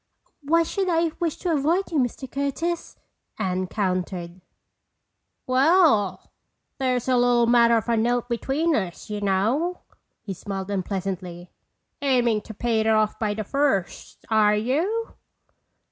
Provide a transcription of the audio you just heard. "Why should I wish to avoid you, Mr. Curtis?" Anne countered. "Well, there's a little matter of a note between us, y'know." He smiled unpleasantly. "Aiming to pay it off by the first, are you?"